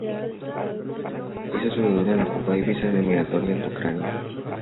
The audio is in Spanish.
Hizo su debut en la Copa Davis en la eliminatoria ante Ucrania.